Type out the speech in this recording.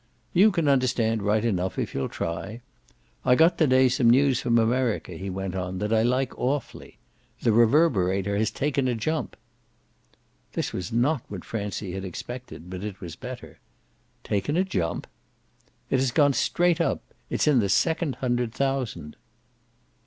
"You can understand right enough if you'll try. I got to day some news from America," he went on, "that I like awfully. The Reverberator has taken a jump." This was not what Francie had expected, but it was better. "Taken a jump?" "It has gone straight up. It's in the second hundred thousand."